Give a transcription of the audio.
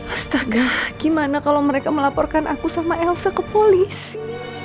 astagah gimana kalau mereka melaporkan aku sama elsa ke polisi